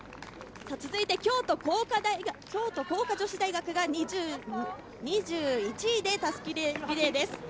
続いて京都光華女子大学が２１位で襷リレーです。